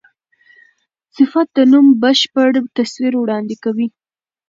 صفت د نوم بشپړ تصویر وړاندي کوي.